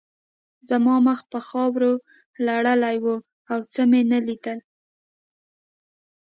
زما مخ په خاورو لړلی و او څه مې نه لیدل